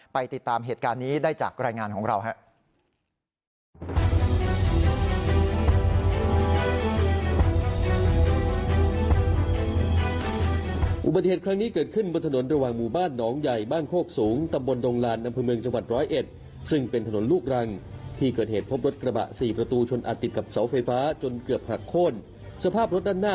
ติดตามเหตุการณ์นี้ได้จากรายงานของเราครับ